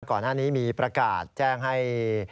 ก่อนหน้านี้มีประกาศแจ้งให้